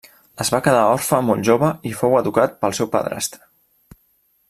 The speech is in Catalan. Es va quedar orfe molt jove i fou educat pel seu padrastre.